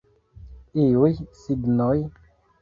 Iuj signoj?